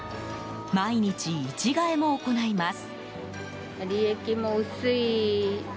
毎日、位置変えも行います。